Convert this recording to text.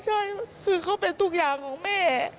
ใช่คือเขาเป็นทุกอย่างของแม่